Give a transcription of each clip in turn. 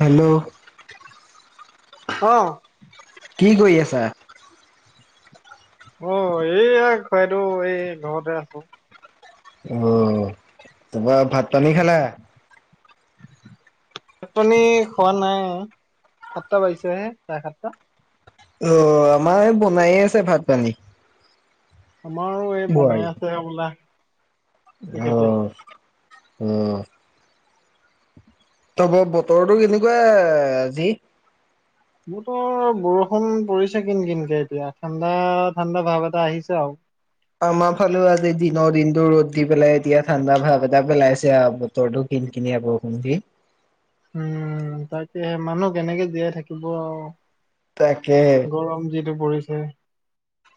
Hello? অ'। কি কৰি আছা? অ' এইয়া খুৰাদেউ এই ঘৰতে আছো। অ' তোমাৰ ভাত পানী খালা? ত পনী খোৱা নাই, সাতটা বাজিছেহে চাৰে সাতটা। অ' আমাৰ বনায়ে আছে ভাত পানী। আমাৰো এই বোৱাৰী বনাই আছে হ'বলা। তেখেতে। অ' অ'। ত ব বতৰটো কেনেকুৱা আজি? মোৰতো বৰষুণ পৰিছে কিন কিনকে এতিয়া ঠাণ্ডা ঠাণ্ডা ভাৱ এটা আহিছে আৰু। আমাৰ ফালে আজি দিনৰ দিনো ৰ'দ দি পেলাই এতিয়া ঠাণ্ডা ভাৱ এটা পেলাইছে তৰটো কিন কিনিয়া বৰষুণ দি উম তাকে মানুহ কেনেকে জীয়াই থাকিব আৰু তাকে। গৰম যিটো পৰিছে।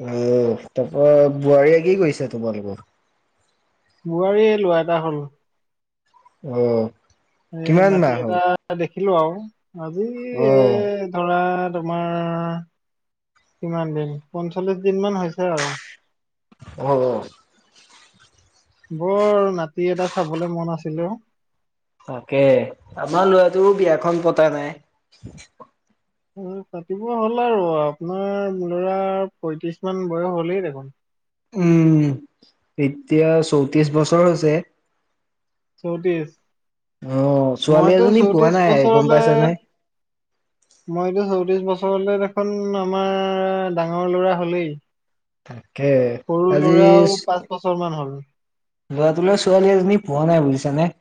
অ' তাৰপৰা বোৱাৰীয়ে কি কৰিছে তোমালোকৰ? বোৱাৰী ল'ৰা এটা হ'ল। অ'। এ কিমান নাতি মাহ এটা হ'ল? দেখিলো আৰু। আজি এ অ', ধৰা তোমাৰ কিমান দিন পঞ্চল্লিশ দিন মান হৈছে আৰু। অ'। বৰ নাতি এটা চাবলৈ মন আছিল অ'। তাকে আমাৰ লৰাটোৰো বিয়াখন পতা নাই। পাতিব হ'ল আৰু আপোনাৰ ল'ৰা পয়ত্ৰিশ মান বয়স হলেই দেখোন? উম এতিয়া চৌত্ৰিশ বছৰ হৈছে। চৌত্ৰিশ অ ছোৱালী মইতো এজনী পোৱা চৌত্ৰিশ নাই গম বছৰলৈ পাইছা নে মইটো চৌত্ৰিশ বছৰলৈ দেখোন আমাৰ ডাঙৰ ল'ৰা হ'লেই। তাকে। সৰু আজি ল'ৰাও পাঁচ বছৰ মান হ'ল। ল'ৰাটোলে ছোৱালী এজনী পোৱা নাই বুজিছানে।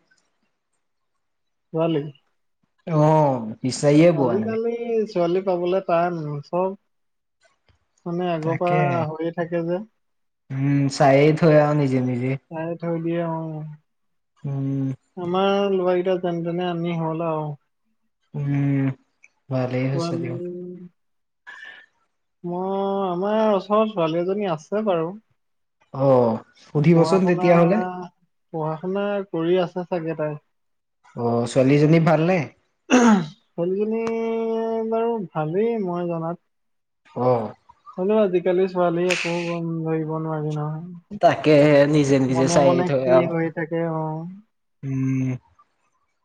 ছোৱালী? অ' বিচাৰিয়ে পোৱা নাই। আজিকালি ছোৱালী পাবলে তান, চব মানে আগৰ পৰা তাকে হৈয়ে থাকে যে। উম চাইয়ে থয় আৰু নিজে নিজে। চাইয়ে থৈ দিয়ে অ'। উম। আমাৰ ল'ৰা কেইটা যেনে তেনে আনি হ'ল আৰু। উম ভালেই হৈছে দিয়ক। ছোৱালী মই আমাৰ ওচৰত ছোৱালী এজনী আছে বাৰু। অ' পঢ়া সুধিবচোন শুনা তেতিয়াহ'লে? পঢ়া শুনা কৰি আছে চাগে তাই। অ' ছোৱালীজনী ভালনে? ছোৱালীজনী বাৰু ভালেই মই জনাত। অ'। হ'লে আজিকালি ছোৱালী একো গ'ম ধৰিব নোৱাৰি নহয়। তাকেহে নিজ মনে মনে কি হৈ থাকে অ'। উম।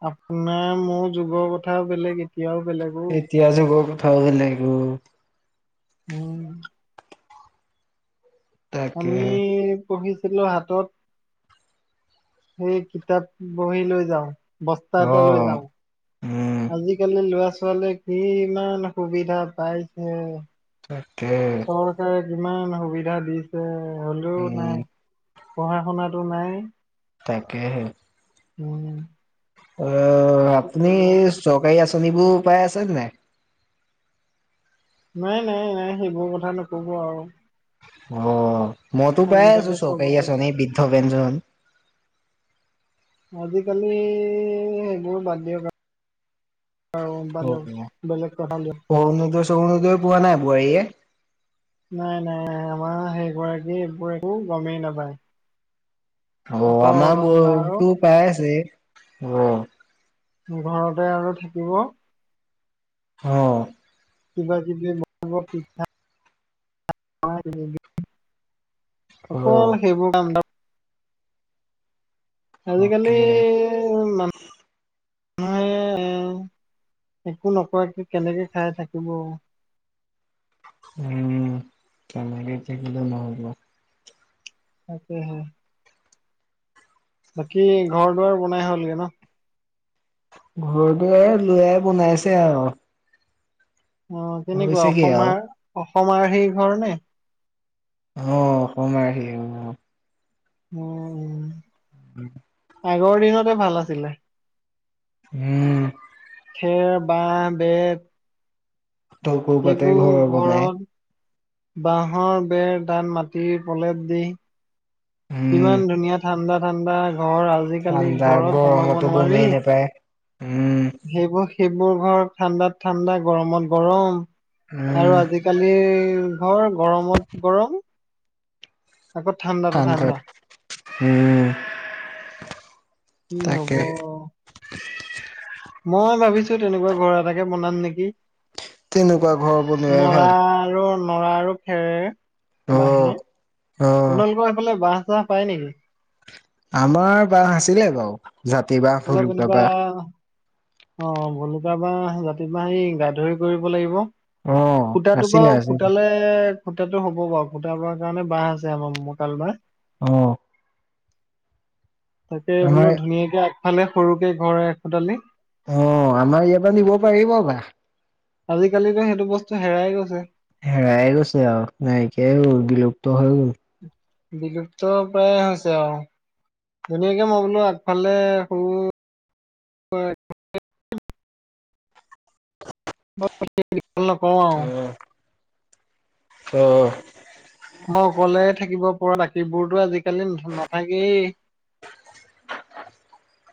আপোনাৰ মোৰ যুগৰ কথাও বেলেগ এতিয়াও বেলেগ। এতিয়া যে গৈ কথাও বেলেগ হ'ল। উম। আমি, তাকেহে পঢ়িছিলো হাতত সেই কিতাপ বহী লৈ যাওঁ। বস্তা এটা লৈ অ', যাওঁ। উম, আজিকালি ল'ৰা ছোৱালীয়ে কি ইমান সুবিধা পাইছে। তাকে। চৰকাৰে কিমান সুবিধা দিছে, হ'লেও উম, নাই পঢ়া শুনাটো নাই। তাকে হে, উম। কি অ'আপুনি কৰিব চৰকাৰী আঁচনিবোৰ পাই আছে নাই? নাই, নাই, নাই সেইবোৰ কথা নক'ব আৰু অ' মইতো পায়ে আজিকালি আছো চৰকাৰী চবতে আচনিৰ এই বৃদ্ধ পেঞ্জন। আজিকালি সেইবোৰ বাদ দিয়ক আ। আৰু বাদ দিয়ক বেলেগ কথা উলিয়াওক। অৰুণোদয়চ অৰুণোদয় পোৱা নাই বোৱাৰীয়ে। নাই, নাই, নাই আমাৰ সেই গৰাকীয়ে এইবোৰ একো গমেই নাপায়। অ' আমাৰ অকল বৌ আৰু তো পাই আছে অ' ঘৰতে আৰু থাকিব। অ' কিবা কিবি [unintelligible] অকল অ', সেইবোৰ কাম আজিকালি, তাকে, [inaudible] হেয়ে এ একো নকৰাকে কেনেকে খাই থাকিব। উম, তেনেকে থাকিলে নহ'ব। তাকে হে, বাকী ঘৰ দুৱাৰ বনাই হ'লগে ন। ঘৰতোহে আৰু ল'ৰাই বনাইছে আৰু। অ' কেনেকুৱা হৈছেগে আৰু। অসমাৰ অসমাৰ সেই ঘৰ নে। অ'অসমাৰ [unintelligible] অ, উম, উম। [unintelligible] আগৰ দিনতে ভাল আছিলে। হ'ম। খেৰ, বাহঁ, বেত তল কৰবাতে সেইবোৰ ঘৰ বনাই ঘৰত বাঁহৰ বেৰ তাত মাটিৰ প্ৰলেপ দি। উম, ইমান ধুনীয়া ঠাণ্ডা ঠাণ্ডা ঘৰ আ আজিকালি ঠাণ্ডা ঘৰত সোমাব গৰমতো নোৱাৰি। গমেই নোপায় উম সেইবোৰ সেইবোৰ ঘৰ ঠাণ্ডাত ঠাণ্ডা গৰমত গৰম উম আৰু আজি কালি ঘৰ গৰমত গৰম। আকৌ ঠাণ্ডা ঠাণ্ডাত উম। কি হ'ব। তাকে মই ভাবিছোঁ, তেনেকুৱা ঘৰ এটাকে বনাম নেকি। তেনেকুৱা ঘৰ বনোৱাই নৰা ভাল আৰু নৰা আৰু। খেৰেৰে, অ বাঁহে অ আপোনালোকৰ সেইফালে বাঁহ চাহ পায় নেকি? আমাৰ বাঁহ আছিলে বাৰু জাতি বাঁহ, অলপ ভুলকা এনেকুৱা বাঁহ। অ' ভলুকা বাঁহ, জাতি বাঁহ এই গাত ধৰি কৰিব লাগিব। অ সূতাটোপা আছিলে আছিলে পুতালে কে খুটাটো হ'ব বাৰু খুটাবৰ কাৰণে বাঁহ আছে আমাৰ মকাল বাঁহ। অ'। তাকে বোলো আমাৰ ধুনীয়াকে আগফালে সৰুকে ঘৰ এ, খোতালি অ' আমাৰ ইয়াৰপৰা নিব পাৰিব বাঁহ। আজিকালি যে সেইটো বস্তু হেৰাই গৈছে। হেৰাইে গৈছে আৰু, নাইকিয়াই হ'ল, বিলুপ্ত হৈ গ'ল। বিলুপ্ত প্ৰায় হৈছে অ'। ধুনীয়াকে মই বোলো আগফালে সৰু হয়। [unintelligible] অ', অ'। মই অকলে থাকিবপৰা, বাকীবোৰতো আজিকালি নাথাকেই। [inaudible]